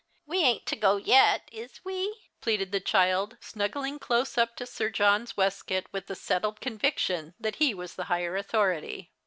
We ain't to go yet, is we ?" jileaded the child, snuggling close up to Sir John's waistcoat, ^^ith the settled conviction that he was the higher authority.